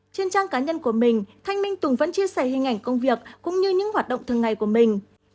trên trang cá nhân của mình thanh minh tùng vẫn chia sẻ hình ảnh công việc cũng như những hoạt động thường ngày của mình